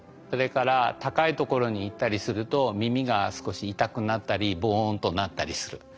それから高い所に行ったりすると耳が少し痛くなったりぼんとなったりする。